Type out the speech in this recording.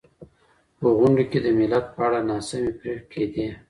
په غونډو کي د ملت په اړه ناسمي پرېکړې کېدې.